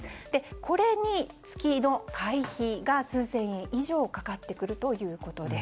これに月の会費が数千円以上かかってくるということです。